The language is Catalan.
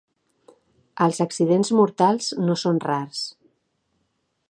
Els accidents mortals no són rars.